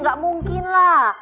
gak mungkin lah